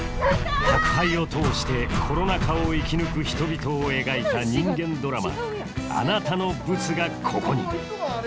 宅配を通してコロナ禍を生き抜く人々を描いた人間ドラマ「あなたのブツが、ここに」